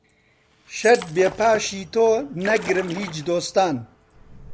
شەرت بێ پاشی تۆ نەگرم هیچ دۆستان